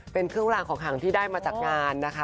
เป็นเครื่องรางของขังที่ได้มาจากงานนะคะ